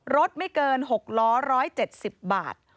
รถไม่เกิน๖ล้อ๑๗๐บาท